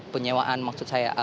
penyewaan maksud saya